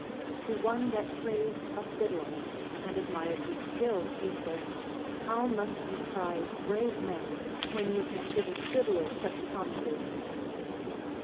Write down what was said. To one that praised a fiddler and admired his skill he said, How must you prize brave men, when you can give a fiddler such a commendation